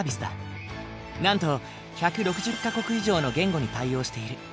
なんと１６０か国以上の言語に対応している。